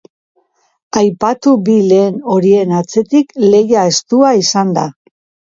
Aipatu bi lehen horien atzetik lehia estua izan da.